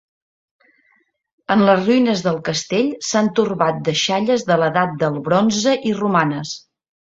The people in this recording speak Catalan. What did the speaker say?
En les ruïnes del castell s'han torbat deixalles de l'Edat del bronze i romanes.